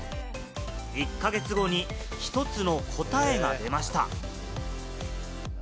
１か月後に１つの答えが出ました。